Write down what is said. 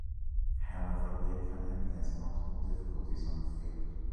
However, we are coming up against multiple difficulties on the field.